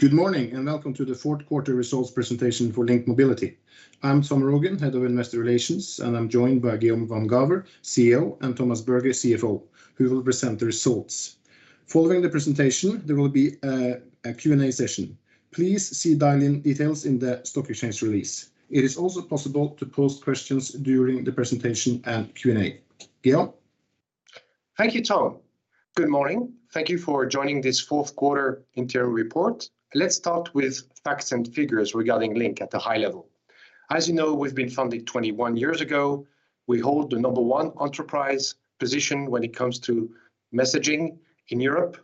Good morning, and welcome to the fourth quarter results presentation for LINK Mobility. I'm Tom Rogn, Head of Investor Relations, and I'm joined by Guillaume Van Gaver, CEO, and Thomas Berge, CFO, who will present the results. Following the presentation, there will be a Q&A session. Please see dial-in details in the stock exchange release. It is also possible to pose questions during the presentation and Q&A. Guillaume? Thank you, Tom. Good morning. Thank you for joining this fourth quarter interim report. Let's start with facts and figures regarding LINK at a high level. As you know, we've been founded 21 years ago. We hold the number one enterprise position when it comes to messaging in Europe.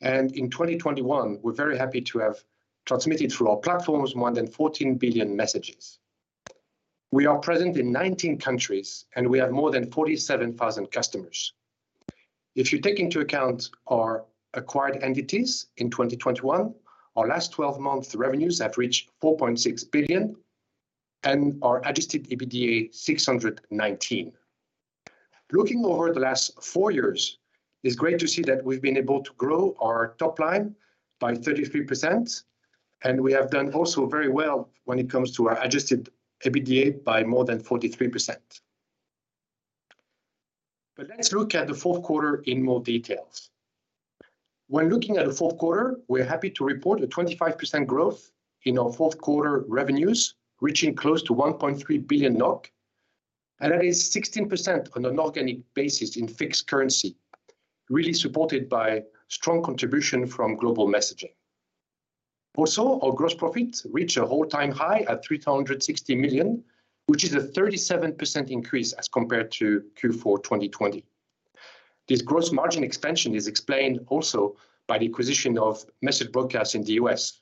In 2021, we're very happy to have transmitted through our platforms more than 14 billion messages. We are present in 19 countries, and we have more than 47,000 customers. If you take into account our acquired entities in 2021, our last twelve months revenues have reached 4.6 billion and our Adjusted EBITDA 619 million. Looking over the last four years, it's great to see that we've been able to grow our top line by 33%, and we have done also very well when it comes to our Adjusted EBITDA by more than 43%. Let's look at the fourth quarter in more detail. When looking at the fourth quarter, we are happy to report a 25% growth in our fourth quarter revenues, reaching close to 1.3 billion NOK, and that is 16% on an organic basis in fixed currency, really supported by strong contribution from Global Messaging. Also, our gross profits reach an all-time high at 360 million, which is a 37% increase as compared to Q4 2020. This gross margin expansion is explained also by the acquisition of MessageBroadcast in the U.S.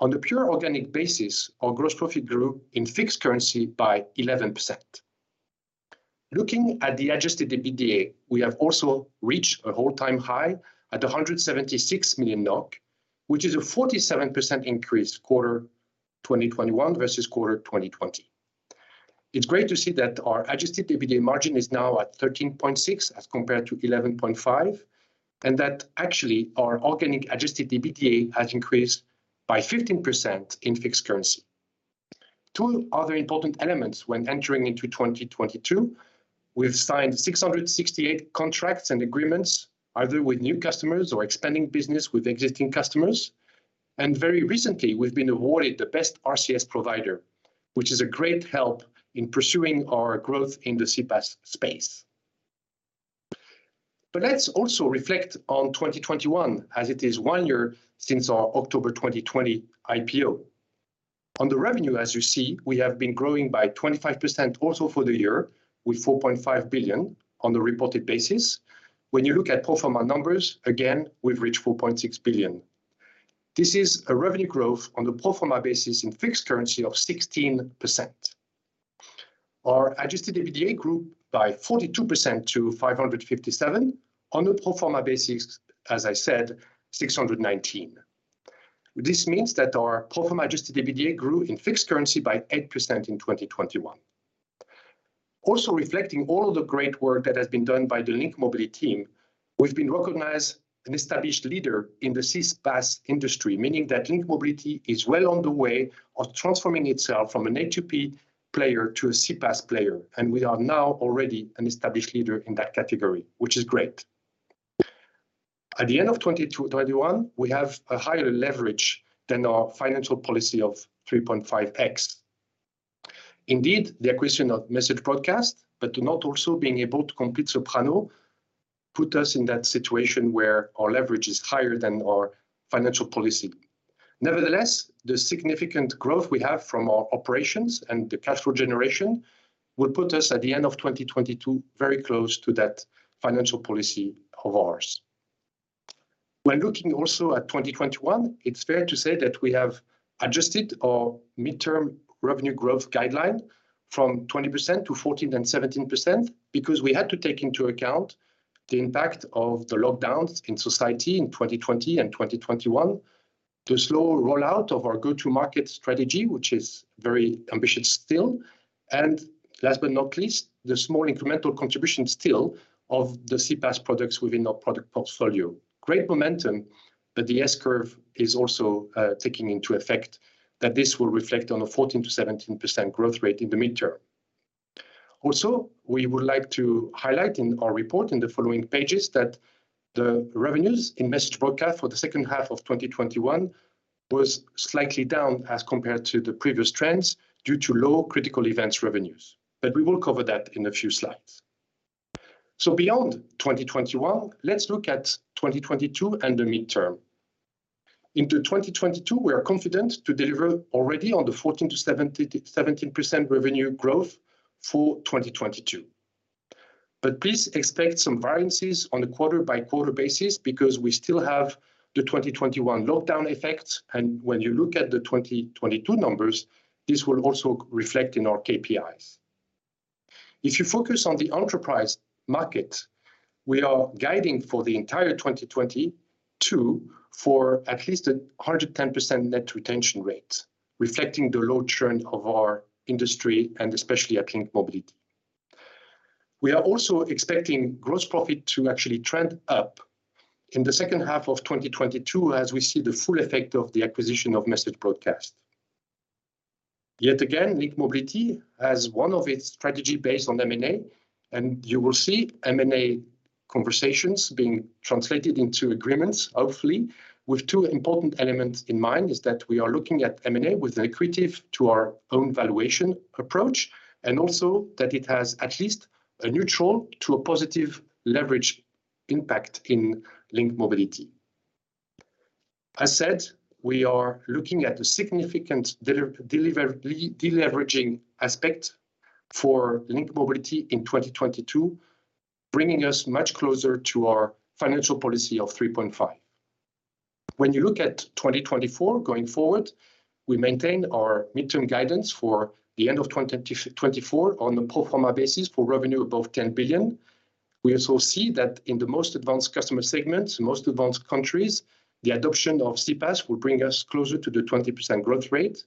On the pure organic basis, our gross profit grew in fixed currency by 11%. Looking at the Adjusted EBITDA, we have also reached an all-time high at 176 million NOK, which is a 47% increase Q4 2021 versus Q4 2020. It's great to see that our Adjusted EBITDA margin is now at 13.6% as compared to 11.5%, and that actually our organic Adjusted EBITDA has increased by 15% in fixed currency. Two other important elements when entering into 2022, we've signed 668 contracts and agreements, either with new customers or expanding business with existing customers. Very recently, we've been awarded the best RCS provider, which is a great help in pursuing our growth in the CPaaS space. Let's also reflect on 2021 as it is one year since our October 2020 IPO. On the revenue, as you see, we have been growing by 25% also for the year with 4.5 billion on the reported basis. When you look at pro forma numbers, again, we've reached 4.6 billion. This is a revenue growth on the pro forma basis in fixed currency of 16%. Our Adjusted EBITDA grew by 42% to 557. On the pro forma basis, as I said, 619. This means that our pro forma Adjusted EBITDA grew in fixed currency by 8% in 2021. Also reflecting all of the great work that has been done by the LINK Mobility team, we've been recognized as an established leader in the CPaaS industry, meaning that LINK Mobility is well on the way of transforming itself from an A2P player to a CPaaS player, and we are now already an established leader in that category, which is great. At the end of 2021, we have a higher leverage than our financial policy of 3.5x. Indeed, the acquisition of MessageBroadcast but also not being able to complete Soprano put us in that situation where our leverage is higher than our financial policy. Nevertheless, the significant growth we have from our operations and the cash flow generation will put us at the end of 2022 very close to that financial policy of ours. When looking also at 2021, it's fair to say that we have adjusted our midterm revenue growth guideline from 20% to 14%-17% because we had to take into account the impact of the lockdowns in society in 2020 and 2021, the slow rollout of our go-to-market strategy, which is very ambitious still, and last but not least, the small incremental contribution still of the CPaaS products within our product portfolio. Great momentum, but the S-curve is also taking into effect that this will reflect on a 14%-17% growth rate in the midterm. Also, we would like to highlight in our report in the following pages that the revenues in MessageBroadcast for the second half of 2021 was slightly down as compared to the previous trends due to low critical events revenues. We will cover that in a few slides. Beyond 2021, let's look at 2022 and the midterm. Into 2022, we are confident to deliver already on the 14%-17% revenue growth for 2022. Please expect some variances on a quarter-by-quarter basis because we still have the 2021 lockdown effect. When you look at the 2022 numbers, this will also reflect in our KPIs. If you focus on the enterprise market, we are guiding for the entire 2022 for at least 110% net retention rate, reflecting the low churn of our industry and especially at LINK Mobility. We are also expecting gross profit to actually trend up in the second half of 2022 as we see the full effect of the acquisition of MessageBroadcast. Yet again, LINK Mobility has one of its strategy based on M&A, and you will see M&A conversations being translated into agreements, hopefully, with two important elements in mind, is that we are looking at M&A with accretive to our own valuation approach, and also that it has at least a neutral to a positive leverage impact in LINK Mobility. As said, we are looking at a significant deleveraging aspect for LINK Mobility in 2022, bringing us much closer to our financial policy of 3.5. When you look at 2024 going forward, we maintain our midterm guidance for the end of 2024 on the pro forma basis for revenue above 10 billion. We also see that in the most advanced customer segments, most advanced countries, the adoption of CPaaS will bring us closer to the 20% growth rate.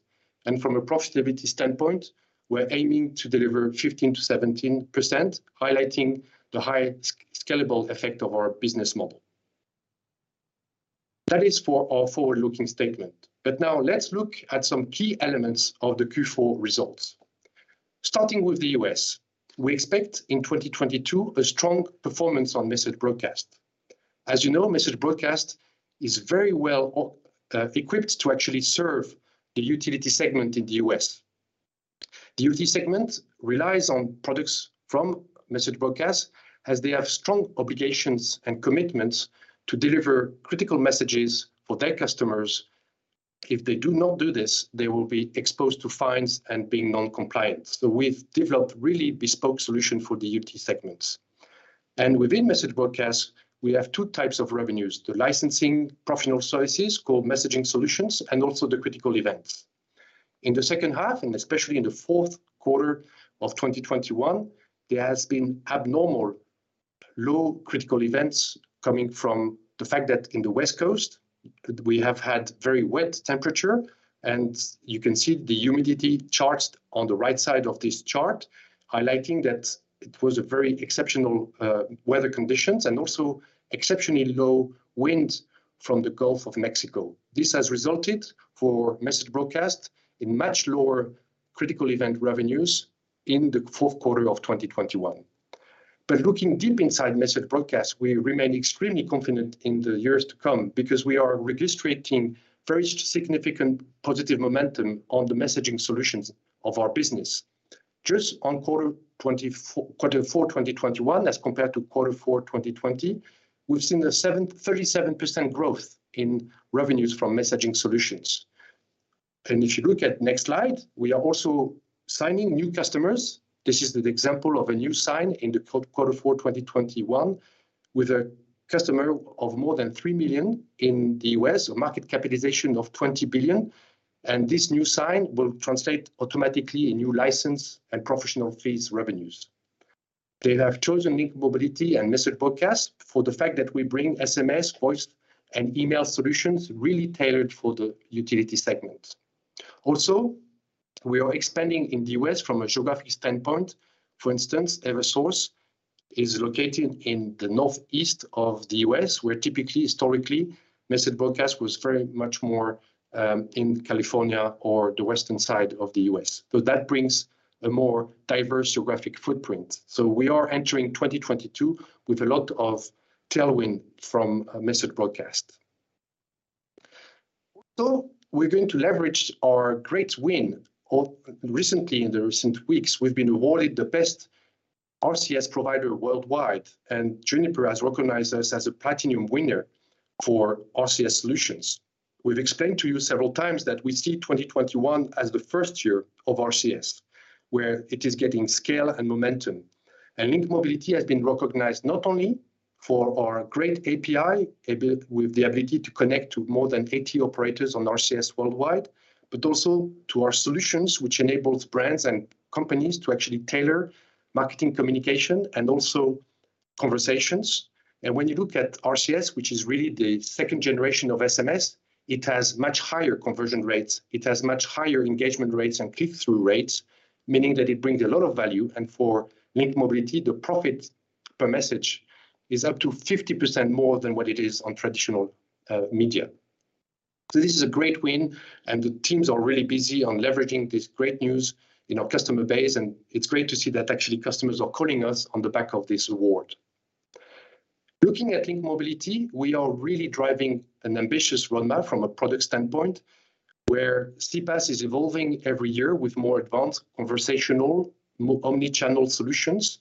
From a profitability standpoint, we're aiming to deliver 15%-17%, highlighting the high sc-scalable effect of our business model. That is for our forward-looking statement. Now let's look at some key elements of the Q4 results. Starting with the U.S., we expect in 2022 a strong performance on MessageBroadcast. As you know, MessageBroadcast is very well equipped to actually serve the utility segment in the U.S. The utility segment relies on products from MessageBroadcast, as they have strong obligations and commitments to deliver critical messages for their customers. If they do not do this, they will be exposed to fines and being non-compliant. We've developed really bespoke solution for the utility segments. Within MessageBroadcast, we have two types of revenues: the licensing professional services, called messaging solutions, and also the critical events. In the second half, and especially in the fourth quarter of 2021, there has been abnormally low critical events coming from the fact that on the West Coast we have had very wet weather, and you can see the humidity charts on the right side of this chart highlighting that it was very exceptional weather conditions and also exceptionally low wind from the Gulf of Mexico. This has resulted for MessageBroadcast in much lower critical event revenues in the fourth quarter of 2021. Looking deep inside MessageBroadcast, we remain extremely confident in the years to come because we are registering very significant positive momentum on the messaging solutions of our business. Just in quarter four, 2021, as compared to quarter four, 2020, we've seen a 37% growth in revenues from messaging solutions. If you look at next slide, we are also signing new customers. This is the example of a new signing in the quarter four 2021, with a customer of more than 3 million in the U.S., a market capitalization of $20 billion, and this new signing will translate automatically in new license and professional fees revenues. They have chosen LINK Mobility and MessageBroadcast for the fact that we bring SMS, voice, and email solutions really tailored for the utility segment. Also, we are expanding in the U.S. from a geographic standpoint. For instance, Eversource is located in the northeast of the U.S., where typically, historically, MessageBroadcast was very much more in California or the western side of the U.S. That brings a more diverse geographic footprint. We are entering 2022 with a lot of tailwind from MessageBroadcast. Also, we're going to leverage our great win. Recently, in the recent weeks, we've been awarded the best RCS provider worldwide, and Juniper has recognized us as a platinum winner for RCS solutions. We've explained to you several times that we see 2021 as the first year of RCS, where it is getting scale and momentum. LINK Mobility has been recognized not only for our great API with the ability to connect to more than 80 operators on RCS worldwide, but also to our solutions which enables brands and companies to actually tailor marketing communication and also conversations. When you look at RCS, which is really the second generation of SMS, it has much higher conversion rates, it has much higher engagement rates and click-through rates, meaning that it brings a lot of value. For LINK Mobility, the profit per message is up to 50% more than what it is on traditional media. This is a great win, and the teams are really busy on leveraging this great news in our customer base, and it's great to see that actually customers are calling us on the back of this award. Looking at LINK Mobility, we are really driving an ambitious roadmap from a product standpoint, where CPaaS is evolving every year with more advanced conversational, omnichannel solutions,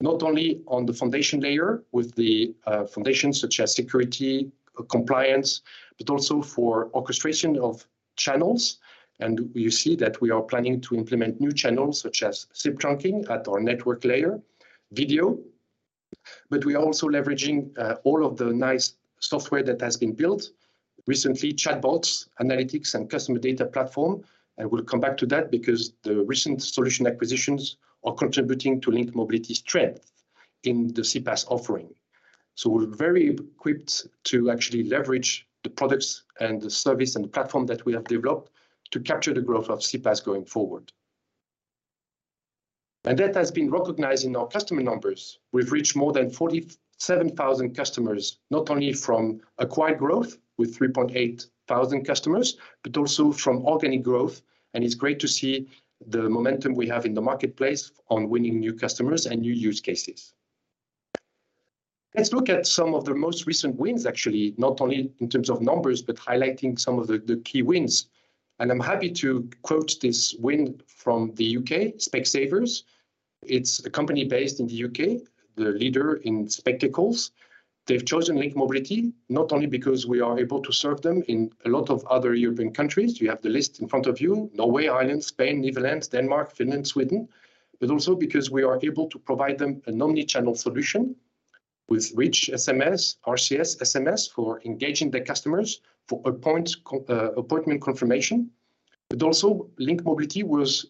not only on the foundation layer with the foundations such as security, compliance, but also for orchestration of channels. You see that we are planning to implement new channels such as SIP trunking at our network layer, video, but we are also leveraging all of the nice software that has been built. Recently, chatbots, analytics, and customer data platform. I will come back to that because the recent solution acquisitions are contributing to LINK Mobility's strength in the CPaaS offering. We're very equipped to actually leverage the products and the service and platform that we have developed to capture the growth of CPaaS going forward. That has been recognized in our customer numbers. We've reached more than 47,000 customers, not only from acquired growth with 3.8 thousand customers, but also from organic growth, and it's great to see the momentum we have in the marketplace on winning new customers and new use cases. Let's look at some of the most recent wins actually, not only in terms of numbers, but highlighting some of the key wins. I'm happy to quote this win from the U.K., Specsavers. It's a company based in the U.K., the leader in spectacles. They've chosen LINK Mobility not only because we are able to serve them in a lot of other European countries, you have the list in front of you, Norway, Ireland, Spain, Netherlands, Denmark, Finland, Sweden, but also because we are able to provide them an omni-channel solution with Rich SMS, RCS SMS for engaging their customers for appointment confirmation. Also LINK Mobility was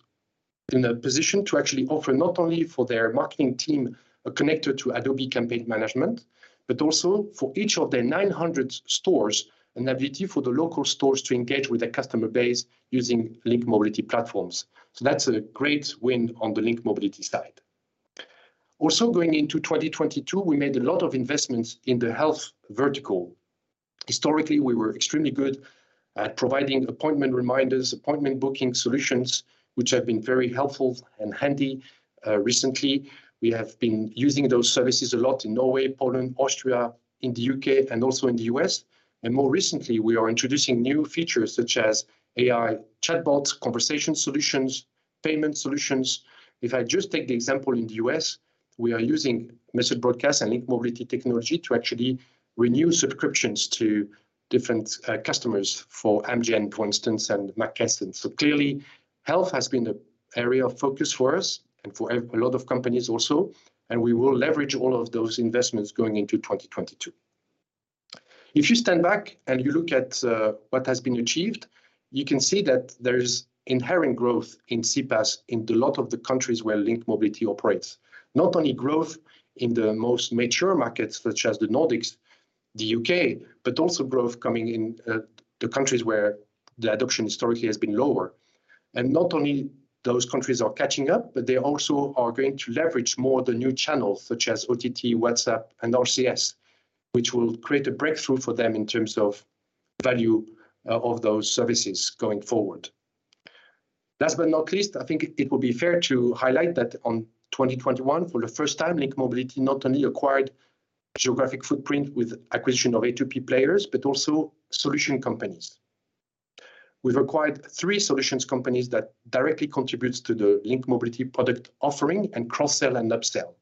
in a position to actually offer not only for their marketing team a connector to Adobe Campaign management, but also for each of their 900 stores an ability for the local stores to engage with their customer base using LINK Mobility platforms. That's a great win on the LINK Mobility side. Also, going into 2022, we made a lot of investments in the health vertical. Historically, we were extremely good at providing appointment reminders, appointment booking solutions, which have been very helpful and handy. Recently, we have been using those services a lot in Norway, Poland, Austria, in the U.K., and also in the U.S. More recently, we are introducing new features such as AI chatbots, conversation solutions, payment solutions. If I just take the example in the U.S., we are using MessageBroadcast and LINK Mobility technology to actually renew subscriptions to different, customers for Amgen, for instance, and McKesson. Clearly, health has been an area of focus for us and for a lot of companies also, and we will leverage all of those investments going into 2022. If you stand back and you look at what has been achieved, you can see that there's inherent growth in CPaaS in a lot of the countries where LINK Mobility operates. Not only growth in the most mature markets, such as the Nordics, the U.K., but also growth coming in the countries where the adoption historically has been lower. Not only those countries are catching up, but they also are going to leverage more the new channels such as OTT, WhatsApp, and RCS, which will create a breakthrough for them in terms of value of those services going forward. Last but not least, I think it would be fair to highlight that in 2021, for the first time, LINK Mobility not only acquired geographic footprint with acquisition of A2P players, but also solution companies. We've acquired three solutions companies that directly contributes to the LINK Mobility product offering and cross-sell and upsell.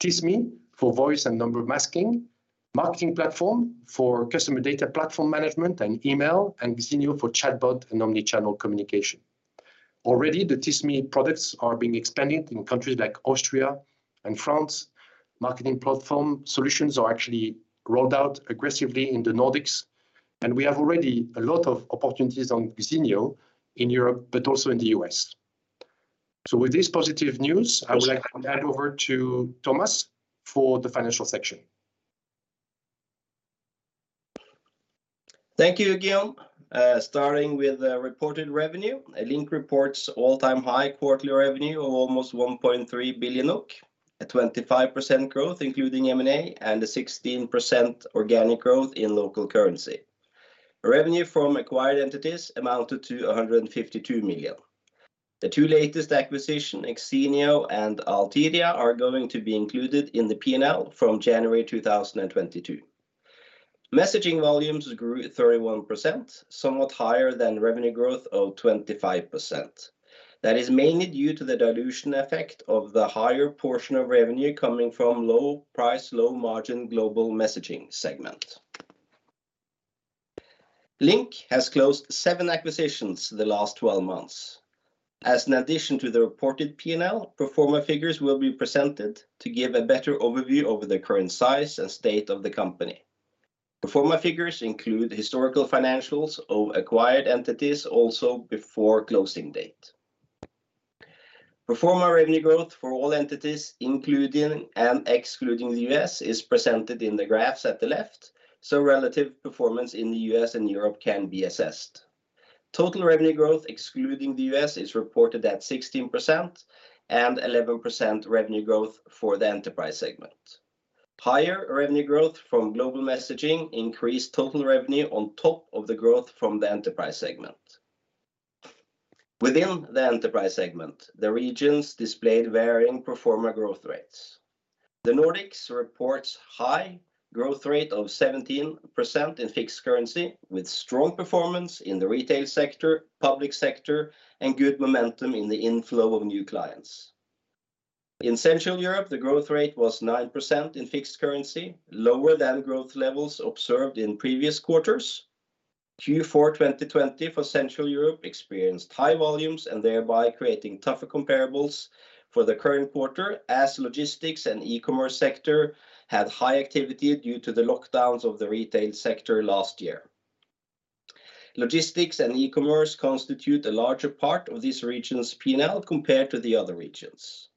Tismi for voice and number masking, MarketingPlatform for customer data platform management and email, and Xenioo for chatbot and omni-channel communication. Already, the Tismi products are being expanded in countries like Austria and France. MarketingPlatform solutions are actually rolled out aggressively in the Nordics. We have already a lot of opportunities on Xenioo in Europe, but also in the U.S. With this positive news, I would like to hand over to Thomas Berge for the financial section. Thank you, Guillaume. Starting with the reported revenue, LINK reports all-time high quarterly revenue of almost 1.3 billion, a 25% growth, including M&A, and a 16% organic growth in local currency. Revenue from acquired entities amounted to 152 million. The two latest acquisition, Xenioo and Altiria, are going to be included in the P&L from January 2022. Messaging volumes grew 31%, somewhat higher than revenue growth of 25%. That is mainly due to the dilution effect of the higher portion of revenue coming from low price, low margin Global Messaging segment. LINK has closed seven acquisitions the last 12 months. As an addition to the reported P&L, pro forma figures will be presented to give a better overview over the current size and state of the company. Pro forma figures include historical financials of acquired entities also before closing date. Pro forma revenue growth for all entities, including and excluding the U.S., is presented in the graphs at the left, so relative performance in the U.S. and Europe can be assessed. Total revenue growth excluding the U.S. is reported at 16% and 11% revenue growth for the enterprise segment. Higher revenue growth from Global Messaging increased total revenue on top of the growth from the enterprise segment. Within the enterprise segment, the regions displayed varying pro forma growth rates. The Nordics reports high growth rate of 17% in fixed currency with strong performance in the retail sector, public sector, and good momentum in the inflow of new clients. In Central Europe, the growth rate was 9% in fixed currency, lower than growth levels observed in previous quarters. Q4 2020 for Central Europe experienced high volumes and thereby creating tougher comparables for the current quarter as logistics and e-commerce sector had high activity due to the lockdowns of the retail sector last year. Logistics and e-commerce constitute a larger part of this region's P&L compared to the other regions.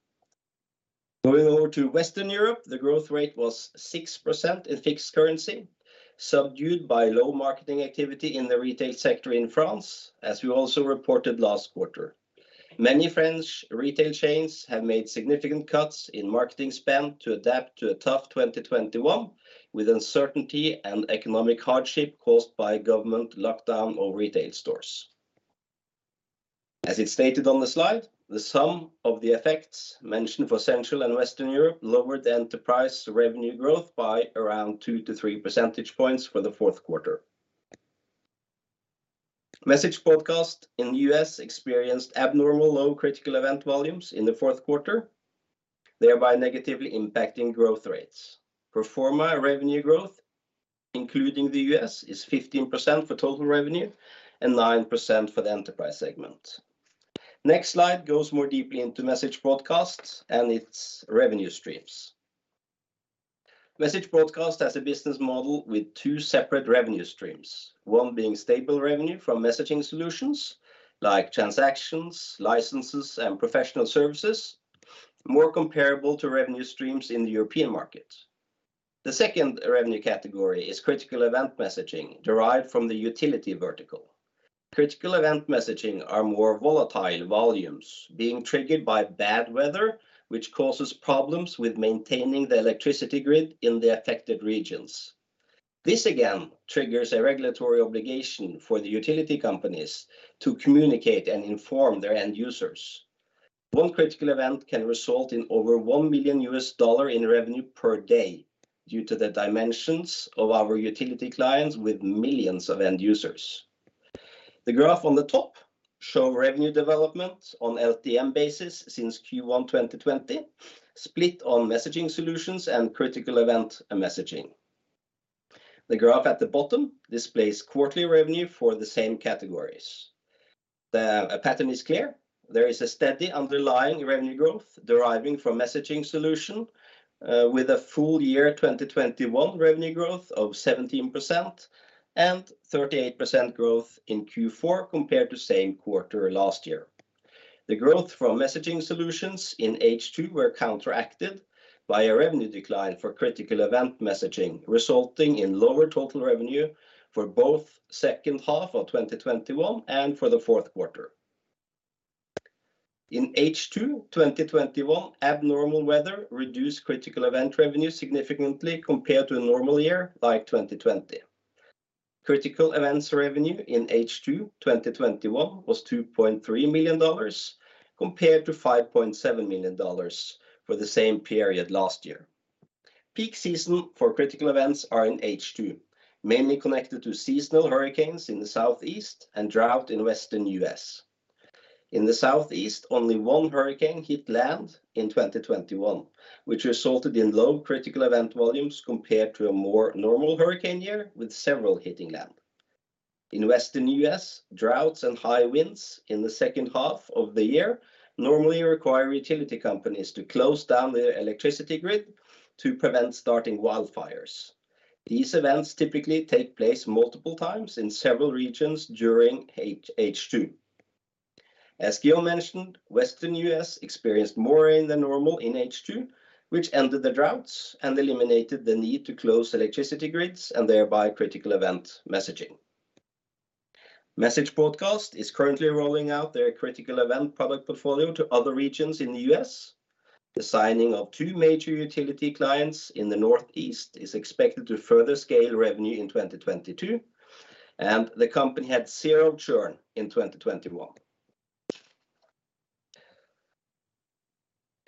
Moving over to Western Europe, the growth rate was 6% in fixed currency, subdued by low marketing activity in the retail sector in France, as we also reported last quarter. Many French retail chains have made significant cuts in marketing spend to adapt to a tough 2021, with uncertainty and economic hardship caused by government lockdown of retail stores. As it's stated on the slide, the sum of the effects mentioned for Central and Western Europe lowered the enterprise revenue growth by around 2-3 percentage points for the fourth quarter. MessageBroadcast in the U.S. experienced abnormally low critical event volumes in the fourth quarter, thereby negatively impacting growth rates. Pro forma revenue growth, including the U.S., is 15% for total revenue and 9% for the enterprise segment. Next slide goes more deeply into MessageBroadcast and its revenue streams. MessageBroadcast has a business model with two separate revenue streams, one being stable revenue from messaging solutions like transactions, licenses, and professional services, more comparable to revenue streams in the European market. The second revenue category is critical event messaging derived from the utility vertical. Critical event messaging are more volatile volumes being triggered by bad weather, which causes problems with maintaining the electricity grid in the affected regions. This again triggers a regulatory obligation for the utility companies to communicate and inform their end users. One critical event can result in over $1 million in revenue per day due to the dimensions of our utility clients with millions of end users. The graph on the top show revenue development on LTM basis since Q1 2020, split on messaging solutions and critical event messaging. The graph at the bottom displays quarterly revenue for the same categories. The pattern is clear. There is a steady underlying revenue growth deriving from messaging solution with a full year 2021 revenue growth of 17% and 38% growth in Q4 compared to same quarter last year. The growth from messaging solutions in H2 were counteracted by a revenue decline for critical event messaging, resulting in lower total revenue for both second half of 2021 and for the fourth quarter. In H2 2021, abnormal weather reduced critical event revenue significantly compared to a normal year like 2020. Critical events revenue in H2 2021 was $2.3 million compared to $5.7 million for the same period last year. Peak season for critical events are in H2, mainly connected to seasonal hurricanes in the southeast and drought in western U.S. In the southeast, only one hurricane hit land in 2021, which resulted in low critical event volumes compared to a more normal hurricane year with several hitting land. In western U.S., droughts and high winds in the second half of the year normally require utility companies to close down their electricity grid to prevent starting wildfires. These events typically take place multiple times in several regions during H2. As Guillaume mentioned, western U.S. experienced more rain than normal in H2, which ended the droughts and eliminated the need to close electricity grids and thereby critical event messaging. MessageBroadcast is currently rolling out their critical event product portfolio to other regions in the U.S. The signing of two major utility clients in the northeast is expected to further scale revenue in 2022, and the company had zero churn in 2021.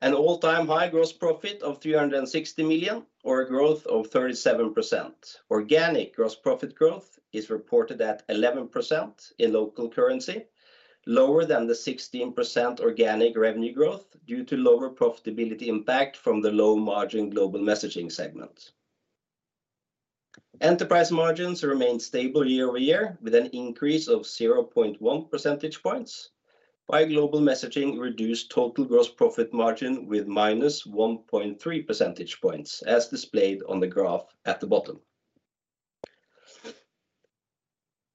An all-time high gross profit of 360 million, or a growth of 37%. Organic gross profit growth is reported at 11% in local currency, lower than the 16% organic revenue growth due to lower profitability impact from the low-margin Global Messaging segment. Enterprise margins remained stable year-over-year, with an increase of 0.1 percentage points, while Global Messaging reduced total gross profit margin with -1.3 percentage points, as displayed on the graph at the bottom.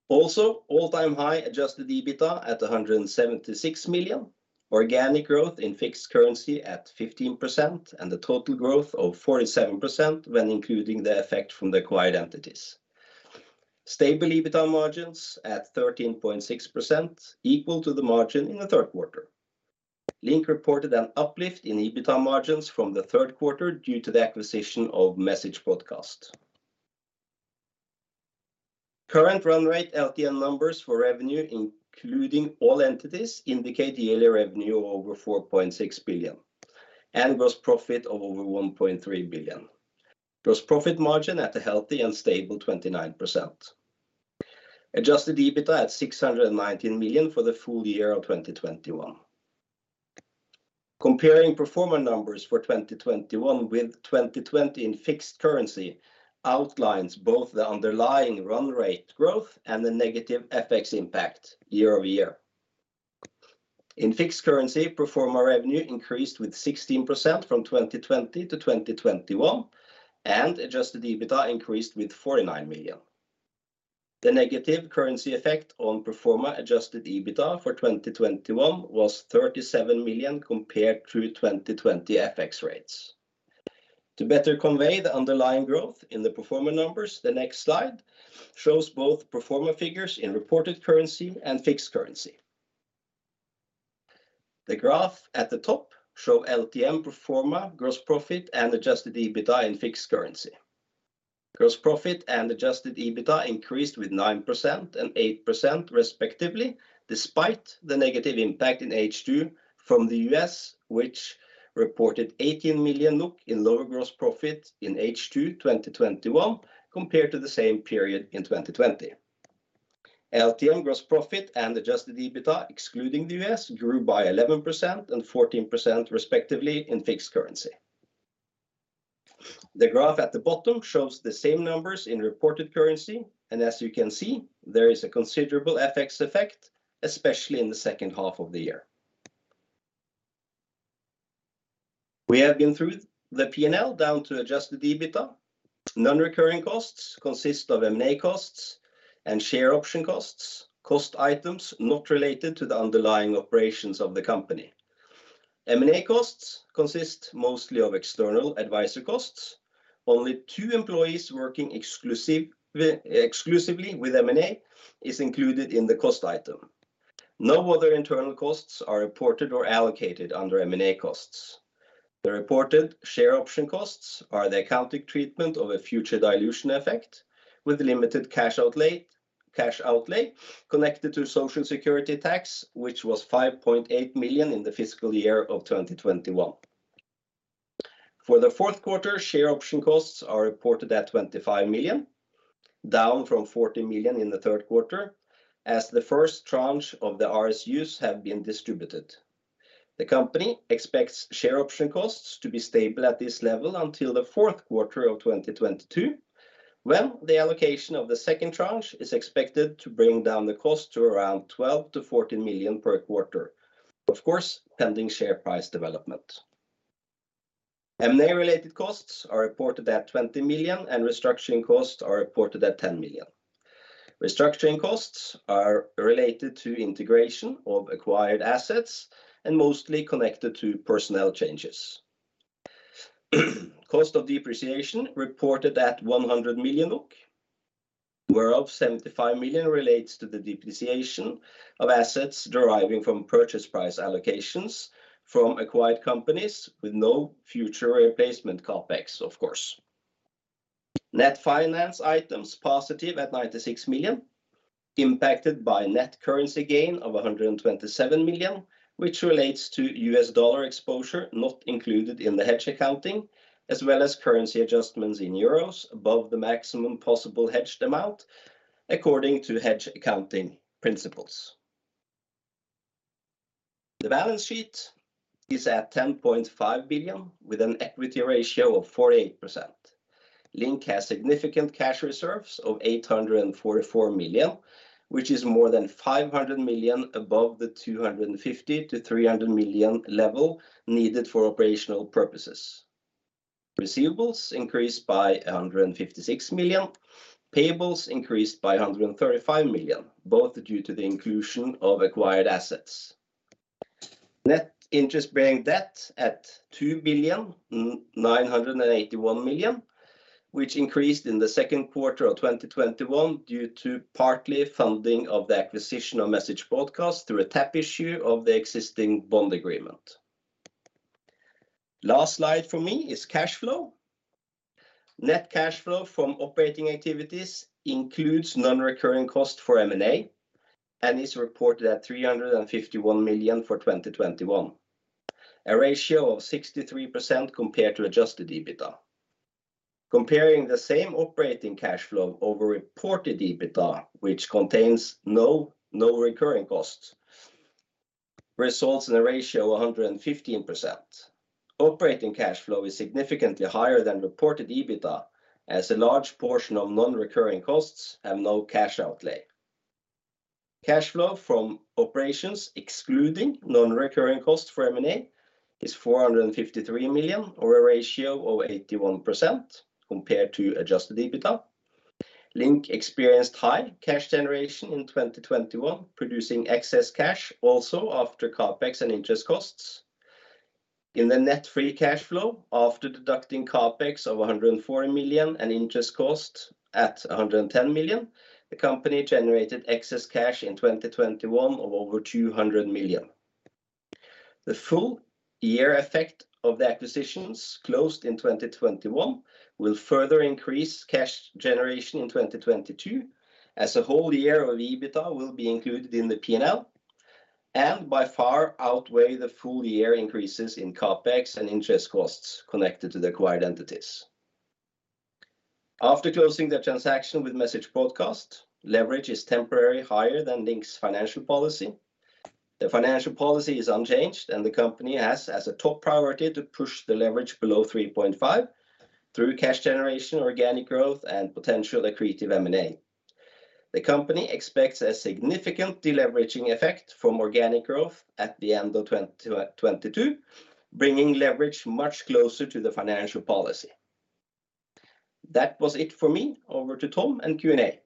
All-time high Adjusted EBITDA at 176 million. Organic growth in fixed currency at 15% and the total growth of 47% when including the effect from the acquired entities. Stable EBITDA margins at 13.6%, equal to the margin in the third quarter. LINK reported an uplift in EBITDA margins from the third quarter due to the acquisition of MessageBroadcast. Current run rate LTM numbers for revenue, including all entities, indicate yearly revenue of over 4.6 billion and gross profit of over 1.3 billion. Gross profit margin at a healthy and stable 29%. Adjusted EBITDA at 619 million for the full year of 2021. Comparing pro forma numbers for 2021 with 2020 in fixed currency outlines both the underlying run rate growth and the negative FX impact year over year. In fixed currency, pro forma revenue increased with 16% from 2020 to 2021 and Adjusted EBITDA increased with 49 million. The negative currency effect on pro forma Adjusted EBITDA for 2021 was 37 million compared to 2020 FX rates. To better convey the underlying growth in the pro forma numbers, the next slide shows both pro forma figures in reported currency and fixed currency. The graph at the top show LTM pro forma gross profit and Adjusted EBITDA in fixed currency. Gross profit and Adjusted EBITDA increased with 9% and 8% respectively, despite the negative impact in H2 from the U.S., which reported 18 million NOK in lower gross profit in H2 2021 compared to the same period in 2020. LTM gross profit and Adjusted EBITDA, excluding the U.S., grew by 11% and 14% respectively in fixed currency. The graph at the bottom shows the same numbers in reported currency, and as you can see, there is a considerable FX effect, especially in the second half of the year. We have been through the P&L down to Adjusted EBITDA. Non-recurring costs consist of M&A costs and share option costs, cost items not related to the underlying operations of the company. M&A costs consist mostly of external advisory costs. Only two employees working exclusively with M&A is included in the cost item. No other internal costs are reported or allocated under M&A costs. The reported share option costs are the accounting treatment of a future dilution effect with limited cash outlay, cash outlay connected to social security tax, which was 5.8 million in the fiscal year of 2021. For the fourth quarter, share option costs are reported at 25 million, down from 40 million in the third quarter, as the first tranche of the RSUs have been distributed. The company expects share option costs to be stable at this level until the fourth quarter of 2022, when the allocation of the second tranche is expected to bring down the cost to around 12 million-14 million per quarter. Of course, pending share price development. M&A related costs are reported at 20 million and restructuring costs are reported at 10 million. Restructuring costs are related to integration of acquired assets and mostly connected to personnel changes. Cost of depreciation reported at 100 million, whereof 75 million relates to the depreciation of assets deriving from purchase price allocations from acquired companies with no future replacement CapEx, of course. Net finance items positive at 96 million, impacted by net currency gain of 127 million, which relates to USD exposure not included in the hedge accounting, as well as currency adjustments in EUR above the maximum possible hedged amount according to hedge accounting principles. The balance sheet is at 10.5 billion with an equity ratio of 48%. LINK has significant cash reserves of 844 million, which is more than 500 million above the 250 million-300 million level needed for operational purposes. Receivables increased by 156 million. Payables increased by 135 million, both due to the inclusion of acquired assets. Net interest bearing debt at 2.981 billion, which increased in the second quarter of 2021 due to partly funding of the acquisition of MessageBroadcast through a tap issue of the existing bond agreement. Last slide for me is cash flow. Net cash flow from operating activities includes non-recurring costs for M&A and is reported at 351 million for 2021, a ratio of 63% compared to Adjusted EBITDA. Comparing the same operating cash flow over reported EBITDA, which contains no recurring costs, results in a ratio of 115%. Operating cash flow is significantly higher than reported EBITDA, as a large portion of non-recurring costs have no cash outlay. Cash flow from operations excluding non-recurring costs for M&A is 453 million or a ratio of 81% compared to Adjusted EBITDA. LINK experienced high cash generation in 2021, producing excess cash also after CapEx and interest costs. In the net free cash flow, after deducting CapEx of 104 million and interest costs at 110 million, the company generated excess cash in 2021 of over 200 million. The full year effect of the acquisitions closed in 2021 will further increase cash generation in 2022 as a whole year of EBITDA will be included in the P&L and by far outweigh the full year increases in CapEx and interest costs connected to the acquired entities. After closing the transaction with MessageBroadcast, leverage is temporarily higher than LINK's financial policy. The financial policy is unchanged, and the company has, as a top priority, to push the leverage below 3.5 through cash generation, organic growth, and potential accretive M&A. The company expects a significant deleveraging effect from organic growth at the end of 2022, bringing leverage much closer to the financial policy. That was it for me. Over to Tom and Q&A.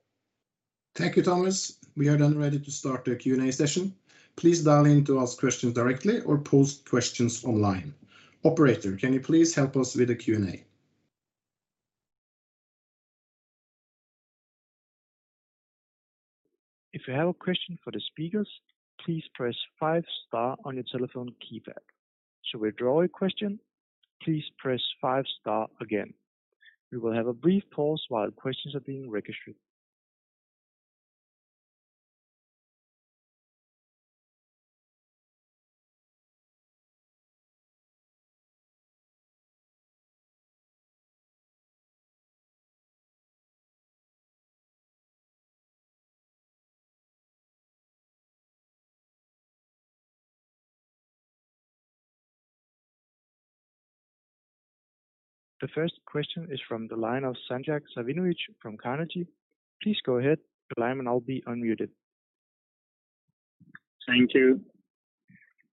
Thank you, Thomas. We are now ready to start the Q&A session. Please dial in to ask questions directly or post questions online. Operator, can you please help us with the Q&A? The first question is from the line of Predrag Savinovic from Carnegie. Please go ahead. Your line will now be unmuted. Thank you.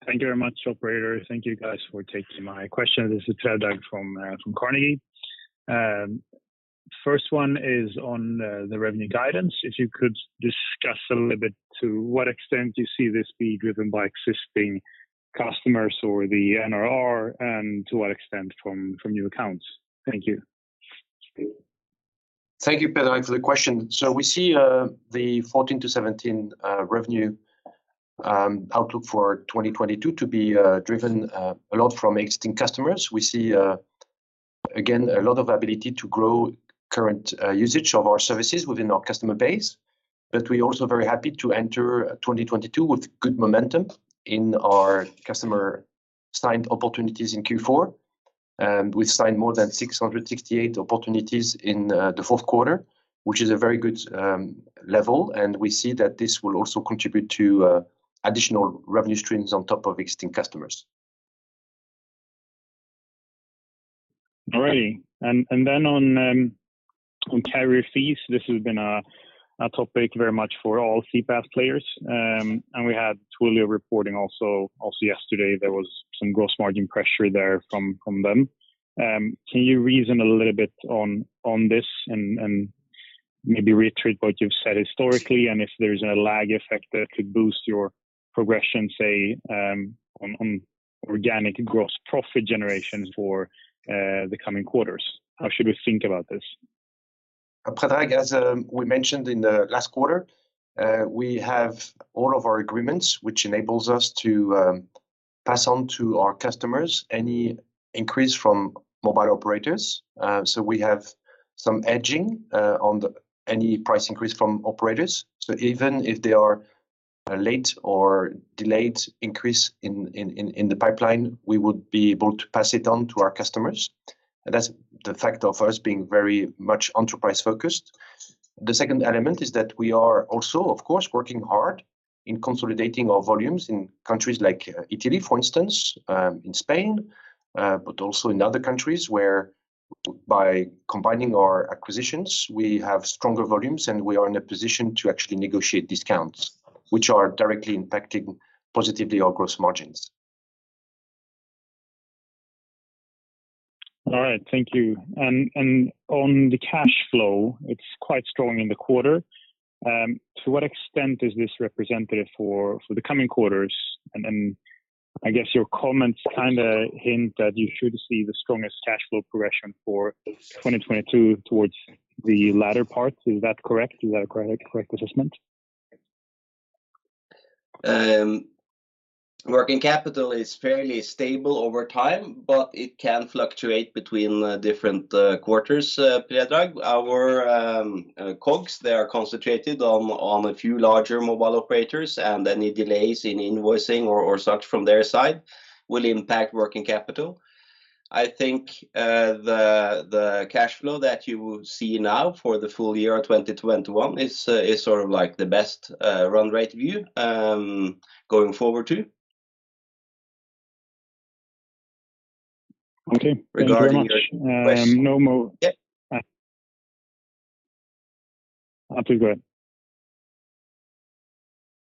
Thank you very much, operator. Thank you guys for taking my question. This is Predrag from Carnegie. First one is on the revenue guidance. If you could discuss a little bit to what extent you see this be driven by existing customers or the NRR, and to what extent from new accounts. Thank you. Thank you, Predrag, for the question. We see the 14%-17% revenue outlook for 2022 to be driven a lot from existing customers. We see again a lot of ability to grow current usage of our services within our customer base. We're also very happy to enter 2022 with good momentum in our customer signed opportunities in Q4. We've signed more than 668 opportunities in the fourth quarter, which is a very good level. We see that this will also contribute to additional revenue streams on top of existing customers. Great. Then on carrier fees, this has been a topic very much for all CPaaS players. We had Twilio reporting. Also, yesterday there was some gross margin pressure there from them. Can you reason a little bit on this and maybe reiterate what you've said historically, and if there's a lag effect that could boost your progression, say, on organic gross profit generation for the coming quarters? How should we think about this? Predrag, as we mentioned in the last quarter, we have all of our agreements which enables us to pass on to our customers any increase from mobile operators. We have some hedging on any price increase from operators. Even if they are a late or delayed increase in the pipeline, we would be able to pass it on to our customers. That's the fact of us being very much enterprise-focused. The second element is that we are also, of course, working hard in consolidating our volumes in countries like Italy, for instance, in Spain, but also in other countries where by combining our acquisitions, we have stronger volumes, and we are in a position to actually negotiate discounts, which are directly impacting positively our gross margins. All right. Thank you. On the cash flow, it's quite strong in the quarter. To what extent is this representative for the coming quarters? I guess your comments kinda hint that you should see the strongest cash flow progression for 2022 towards the latter part. Is that correct? Is that a correct assessment? Working capital is fairly stable over time, but it can fluctuate between different quarters, Predrag. Our COGS, they are concentrated on a few larger mobile operators, and any delays in invoicing or such from their side will impact working capital. I think the cash flow that you see now for the full year of 2021 is sort of like the best run rate view going forward, too. Okay. Thank you very much. Regarding the question. No more. Yeah. I'll take that.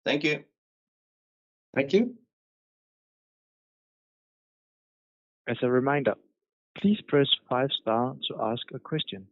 Thank you. Thank you. As a reminder, please press five star to ask a question.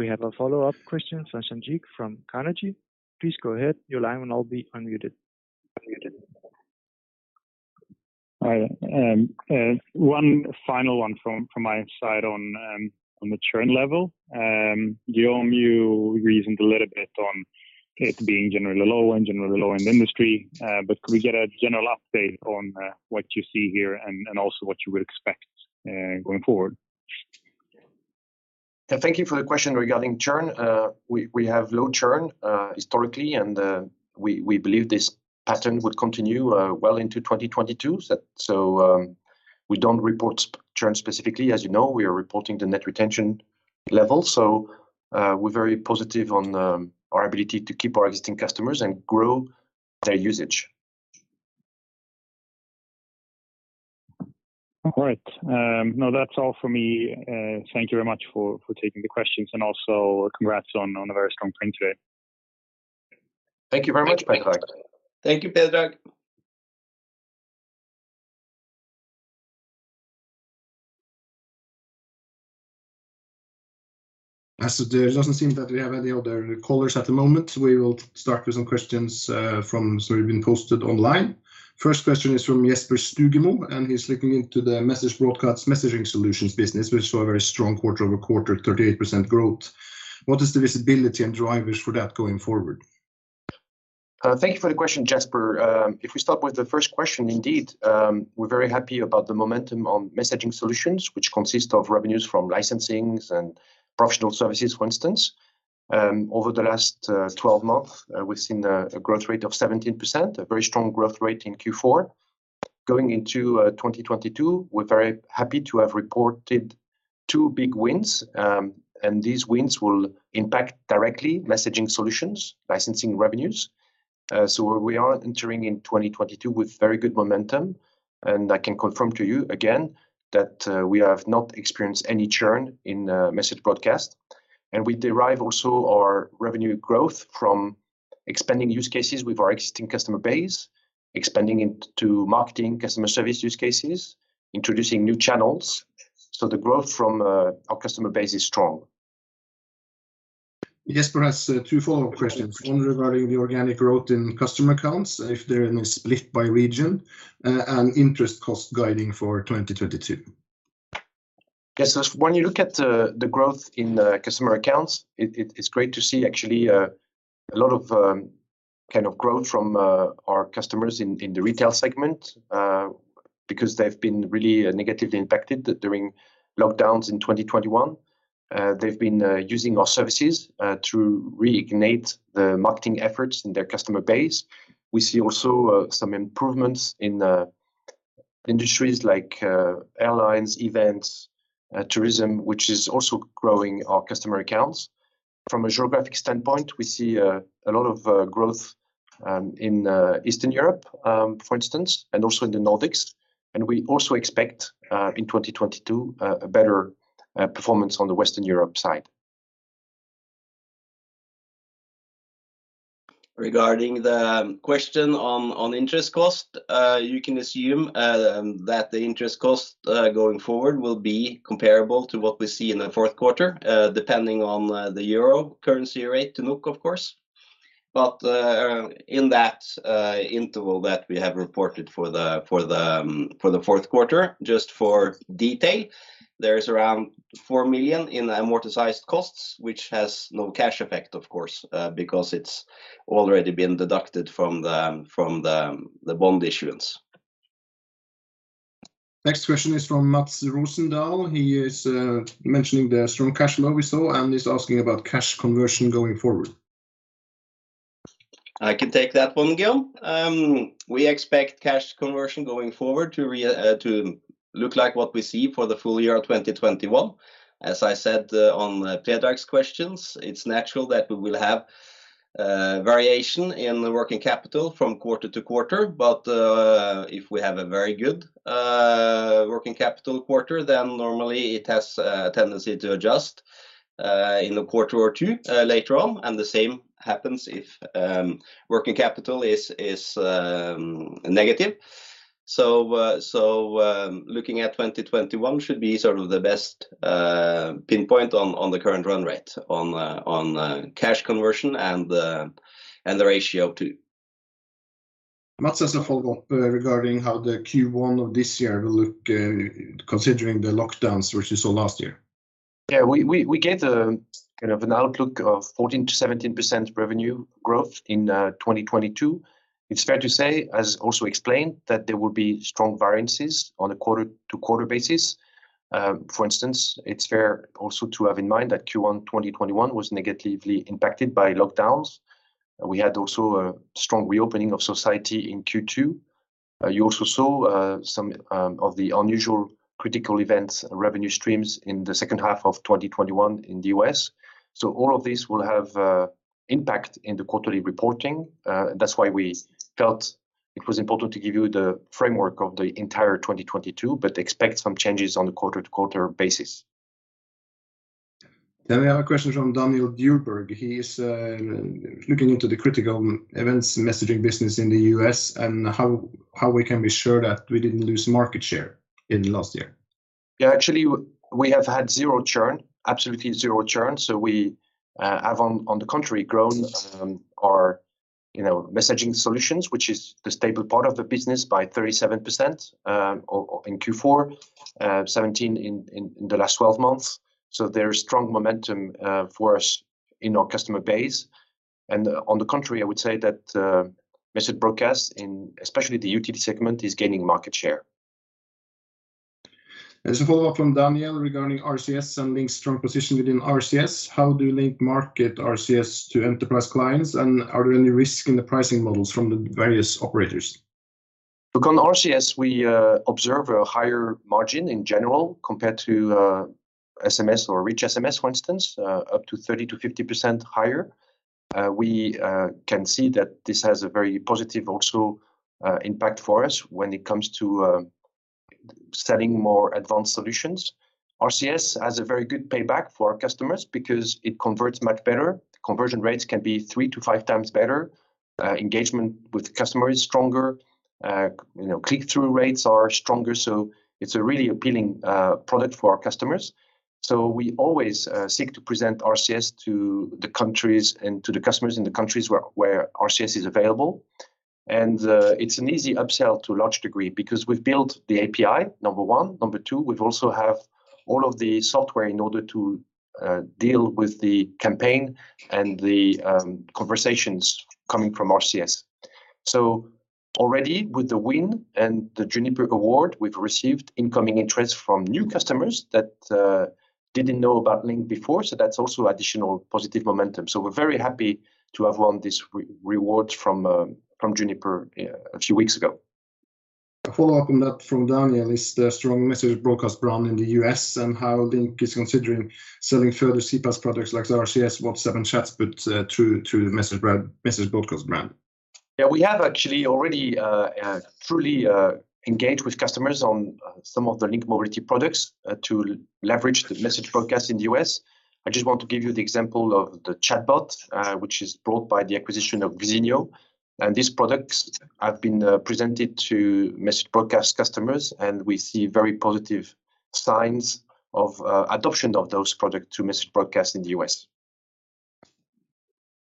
We have a follow-up question from Predrag Savinovic from Carnegie. Please go ahead. Your line will now be unmuted. All right. One final one from my side on the churn level. Guillaume, you reasoned a little bit on it being generally low in the industry. Could we get a general update on what you see here and also what you would expect going forward? Thank you for the question regarding churn. We have low churn historically, and we believe this pattern would continue well into 2022. We don't report churn specifically. As you know, we are reporting the net retention level. We're very positive on our ability to keep our existing customers and grow their usage. All right. No, that's all for me. Thank you very much for taking the questions, and also congrats on a very strong Q2. Thank you very much, Predrag. Thank you, Predrag. As it doesn't seem that we have any other callers at the moment, we will start with some questions we've been posted online. First question is from Jesper Stugemo, and he's looking into the MessageBroadcast's messaging solutions business. We saw a very strong quarter-over-quarter 38% growth. What is the visibility and drivers for that going forward? Thank you for the question, Jesper. If we start with the first question, indeed, we're very happy about the momentum on messaging solutions, which consist of revenues from licensing and professional services, for instance. Over the last 12 months, we've seen a growth rate of 17%, a very strong growth rate in Q4. Going into 2022, we're very happy to have reported two big wins. These wins will impact directly messaging solutions, licensing revenues. We are entering 2022 with very good momentum, and I can confirm to you again that we have not experienced any churn in MessageBroadcast. We derive also our revenue growth from expanding use cases with our existing customer base, expanding into marketing, customer service use cases, introducing new channels. The growth from our customer base is strong. Jesper has two follow-up questions. One regarding the organic growth in customer accounts, if they're in a split by region, and interest cost guidance for 2022. Yes. When you look at the growth in the customer accounts, it's great to see actually a lot of kind of growth from our customers in the retail segment because they've been really negatively impacted during lockdowns in 2021. They've been using our services to reignite the marketing efforts in their customer base. We see also some improvements in industries like airlines, events, tourism, which is also growing our customer accounts. From a geographic standpoint, we see a lot of growth in Eastern Europe, for instance, and also in the Nordics. We also expect in 2022 a better performance on the Western Europe side. Regarding the question on interest cost, you can assume that the interest cost going forward will be comparable to what we see in the fourth quarter, depending on the euro currency rate to NOK, of course. In that interval that we have reported for the fourth quarter just for detail, there is around 4 million in amortized costs, which has no cash effect of course, because it's already been deducted from the bond issuance. Next question is from Mats Rosendahl. He is mentioning the strong cash flow we saw and is asking about cash conversion going forward. I can take that one, Guillaume. We expect cash conversion going forward to look like what we see for the full year of 2021. As I said, on Predrag's questions, it's natural that we will have variation in the working capital from quarter to quarter. If we have a very good working capital quarter, then normally it has a tendency to adjust in a quarter or two later on. The same happens if working capital is negative. Looking at 2021 should be sort of the best pinpoint on the current run rate on cash conversion and the ratio too. Mats has a follow-up, regarding how the Q1 of this year will look, considering the lockdowns versus last year. Yeah. We gave kind of an outlook of 14%-17% revenue growth in 2022. It's fair to say, as also explained, that there will be strong variances on a quarter-to-quarter basis. For instance, it's fair also to have in mind that Q1 2021 was negatively impacted by lockdowns. We had also a strong reopening of society in Q2. You also saw some of the unusual critical events revenue streams in the second half of 2021 in the U.S. All of this will have impact in the quarterly reporting. That's why we felt it was important to give you the framework of the entire 2022, but expect some changes on a quarter-to-quarter basis. We have a question from Daniel Djurberg. He is looking into the critical events messaging business in the U.S. and how we can be sure that we didn't lose market share in last year. Yeah. Actually, we have had zero churn, absolutely zero churn. We have on the contrary grown our you know messaging solutions, which is the stable part of the business, by 37%, or in Q4 17% in the last twelve months. There is strong momentum for us in our customer base. On the contrary, I would say that MessageBroadcast in especially the utility segment is gaining market share. There's a follow-up from Daniel regarding RCS and LINK's strong position within RCS. How do LINK market RCS to enterprise clients, and are there any risk in the pricing models from the various operators? Look, on RCS, we observe a higher margin in general compared to SMS or Rich SMS, for instance, up to 30%-50% higher. We can see that this has a very positive also impact for us when it comes to selling more advanced solutions. RCS has a very good payback for our customers because it converts much better. Conversion rates can be 3x-5x better. Engagement with customer is stronger. You know, click-through rates are stronger. So it's a really appealing product for our customers. We always seek to present RCS to the countries and to the customers in the countries where RCS is available. It's an easy upsell to a large degree because we've built the API, number one. Number two, we've also have all of the software in order to deal with the campaign and the conversations coming from RCS. Already with the win and the Juniper award, we've received incoming interest from new customers that didn't know about LINK before. That's also additional positive momentum. We're very happy to have won this reward from Juniper, yeah, a few weeks ago. A follow-up on that from Daniel. Is there a strong MessageBroadcast brand in the U.S., and how LINK is considering selling further CPaaS products like RCS, WhatsApp, and chats, but through the MessageBroadcast brand? Yeah, we have actually already truly engaged with customers on some of the LINK Mobility products to leverage MessageBroadcast in the U.S. I just want to give you the example of the chatbot, which is brought by the acquisition of Xenioo. These products have been presented to MessageBroadcast customers, and we see very positive signs of adoption of those products to MessageBroadcast in the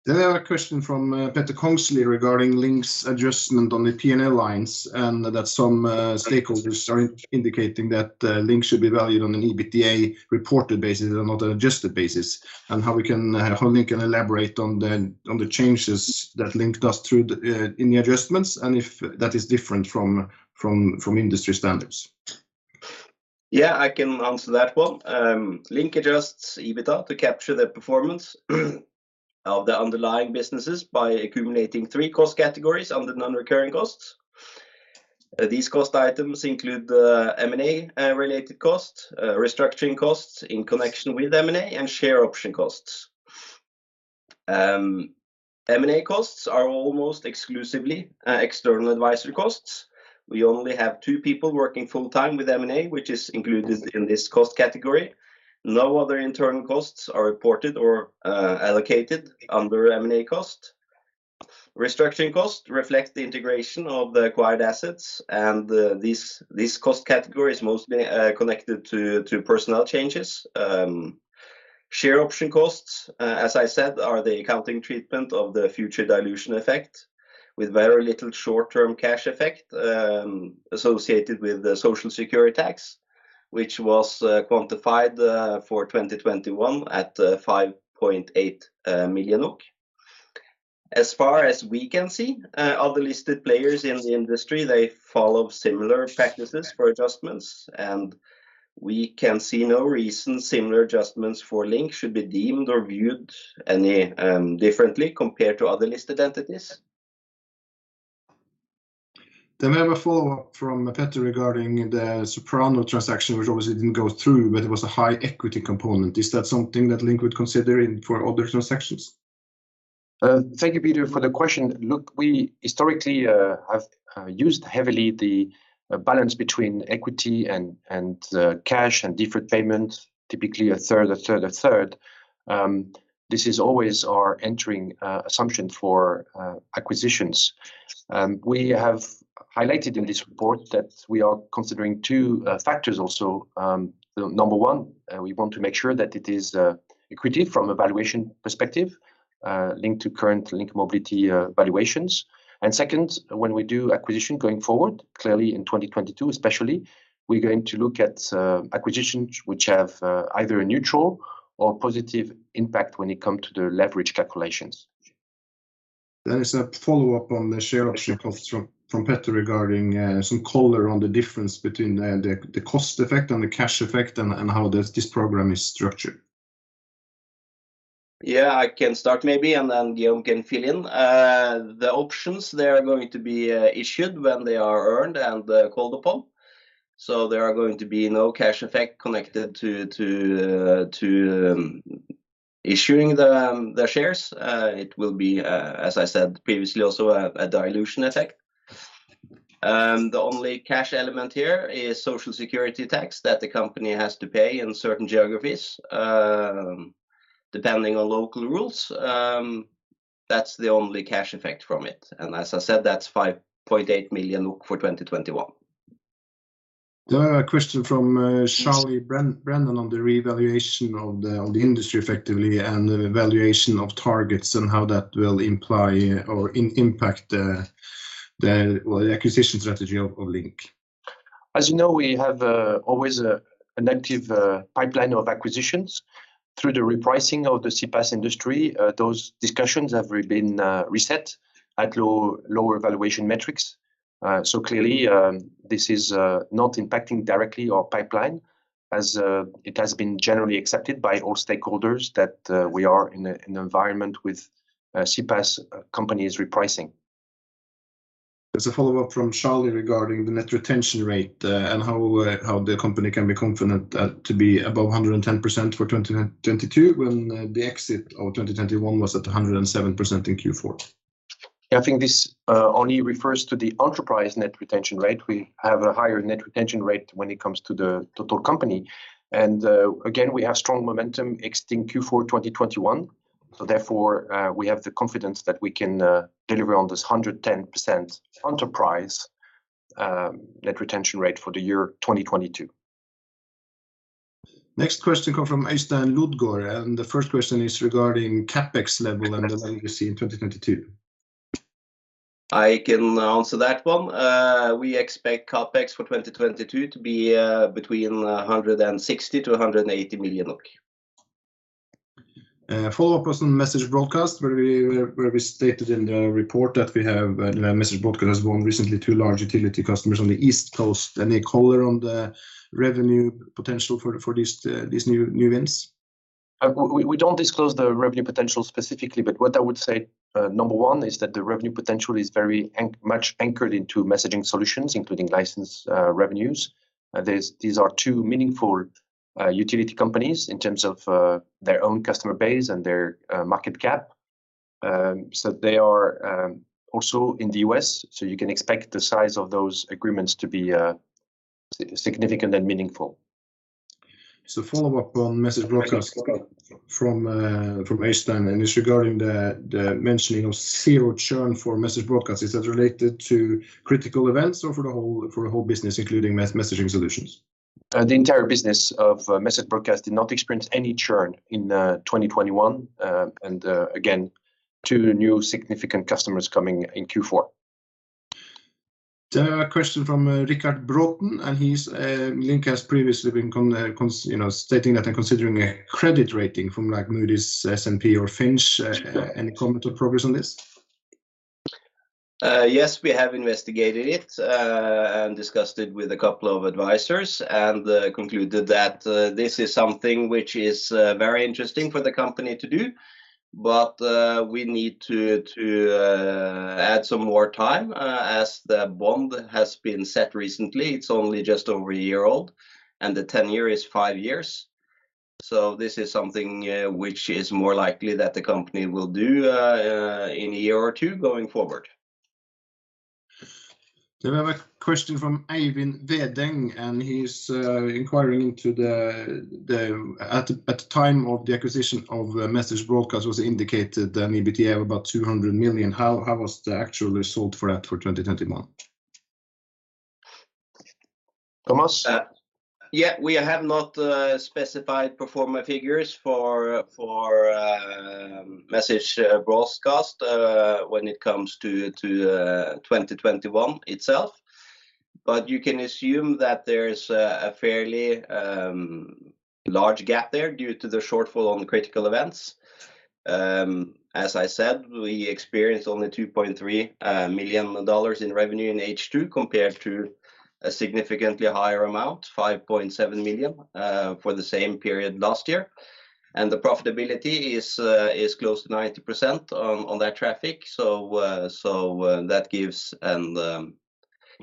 U.S. I have a question from Petter Kongslie regarding LINK's adjustment on the P&L lines and that some stakeholders are indicating that LINK should be valued on an EBITDA reported basis and not an adjusted basis, and how LINK can elaborate on the changes that LINK does through the in the adjustments, and if that is different from industry standards. Yeah, I can answer that one. LINK Adjusts EBITDA to capture the performance of the underlying businesses by accumulating three cost categories under non-recurring costs. These cost items include M&A related costs, restructuring costs in connection with M&A, and share option costs. M&A costs are almost exclusively external advisory costs. We only have two people working full-time with M&A, which is included in this cost category. No other internal costs are reported or allocated under M&A cost. Restructuring cost reflects the integration of the acquired assets, and this cost category is mostly connected to personnel changes. Share option costs, as I said, are the accounting treatment of the future dilution effect with very little short-term cash effect, associated with the social security tax, which was quantified for 2021 at 5.8 million. As far as we can see, other listed players in the industry, they follow similar practices for adjustments. We can see no reason similar adjustments for LINK should be deemed or viewed any differently compared to other listed entities. We have a follow-up from Petter regarding the Soprano transaction, which obviously didn't go through, but it was a high equity component. Is that something that LINK would consider in, for other transactions? Thank you, Petter, for the question. Look, we historically have used heavily the balance between equity and cash and deferred payment, typically a third. This is always our entering assumption for acquisitions. We have highlighted in this report that we are considering two factors also. Number one, we want to make sure that it is accretive from a valuation perspective, linked to current LINK Mobility valuations. Second, when we do acquisition going forward, clearly in 2022 especially, we're going to look at acquisitions which have either a neutral or positive impact when it come to the leverage calculations. There is a follow-up on the share option costs from Petter regarding some color on the difference between the cost effect and the cash effect and how this program is structured. Yeah, I can start maybe, and then Guillaume can fill in. The options, they are going to be issued when they are earned and called upon. There are going to be no cash effect connected to issuing the shares. It will be, as I said previously, also a dilution effect. The only cash element here is Social Security tax that the company has to pay in certain geographies, depending on local rules. That's the only cash effect from it. As I said, that's 5.8 million NOK for 2021. A question from Charlie Brandon on the revaluation of the industry effectively and the valuation of targets and how that will impact the acquisition strategy of LINK. As you know, we have always an active pipeline of acquisitions. Through the repricing of the CPaaS industry, those discussions have been reset at lower valuation metrics. Clearly, this is not impacting directly our pipeline as it has been generally accepted by all stakeholders that we are in an environment with CPaaS companies repricing. There's a follow-up from Charlie Brandon regarding the net retention rate and how the company can be confident to be above 110% for 2022 when the exit of 2021 was at 107% in Q4. Yeah, I think this only refers to the enterprise net retention rate. We have a higher net retention rate when it comes to the total company. Again, we have strong momentum exiting Q4 2021, so therefore, we have the confidence that we can deliver on this 110% enterprise net retention rate for the year 2022. Next question come from Øystein Elton Løvgaard, and the first question is regarding CapEx level and the level you see in 2022. I can answer that one. We expect CapEx for 2022 to be between 160 million-180 million. A follow-up question on MessageBroadcast, where we stated in the report that MessageBroadcast won recently two large utility customers on the East Coast. Any color on the revenue potential for these new wins? We don't disclose the revenue potential specifically, but what I would say, number one, is that the revenue potential is very much anchored into messaging solutions, including license revenues. These are two meaningful utility companies in terms of their own customer base and their market cap. They are also in the U.S., so you can expect the size of those agreements to be significant and meaningful. Follow-up on MessageBroadcast from Øystein, and it's regarding the mentioning of zero churn for MessageBroadcast. Is that related to critical events or for the whole business, including messaging solutions? The entire business of MessageBroadcast did not experience any churn in 2021. Again, two new significant customers coming in Q4. There's a question from Rickard Bråten, and LINK has previously been stating that and considering a credit rating from like Moody's, S&P, or Fitch, you know. Any comment or progress on this? Yes, we have investigated it and discussed it with a couple of advisors and concluded that this is something which is very interesting for the company to do. We need to add some more time as the bond has been set recently. It's only just over a year old, and the tenure is five years. This is something which is more likely that the company will do in a year or two going forward. We have a question from Eivind Veddeng, and he's inquiring into the acquisition of MessageBroadcast. At the time of the acquisition, an EBITDA of about 200 million was indicated. How was the actual result for that for 2021? Thomas? Yeah. We have not specified pro forma figures for MessageBroadcast when it comes to 2021 itself. You can assume that there is a fairly large gap there due to the shortfall on critical events. As I said, we experienced only $2.3 million in revenue in H2 compared to a significantly higher amount, $5.7 million, for the same period last year. The profitability is close to 90% on that traffic. That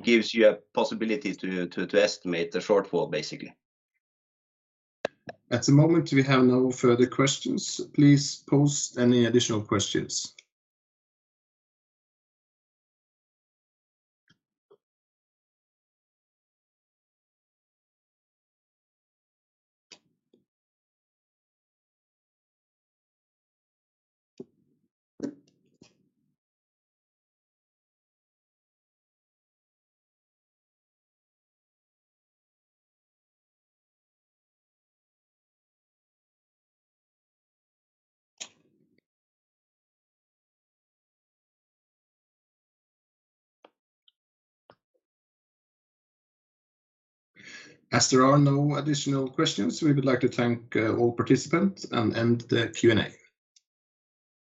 gives you a possibility to estimate the shortfall, basically. At the moment, we have no further questions. Please post any additional questions. As there are no additional questions, we would like to thank all participants and end the Q&A.